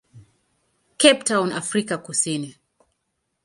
Cape Town, Afrika Kusini.